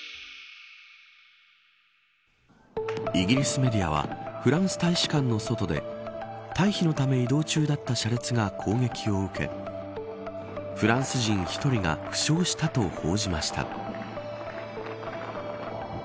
イギリスメディアはフランス大使館の外で退避のため移動中だった車列が攻撃を受けフランス人１人が負傷したと報じました。